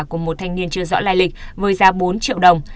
của một thanh niên chưa rõ lai lịch với giá bốn triệu đồng